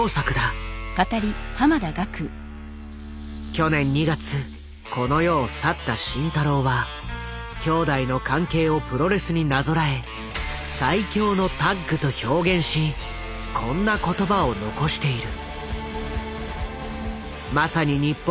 去年２月この世を去った慎太郎は兄弟の関係をプロレスになぞらえ「最強のタッグ」と表現しこんな言葉を残している。